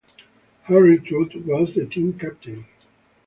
Harry Trout was the team captain.